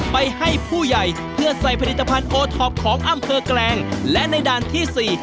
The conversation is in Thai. ไปให้ผู้ใหญ่เพื่อใส่ผลิตภัณฑ์โอท็อปของอำเภอแกลงและในด่านที่๔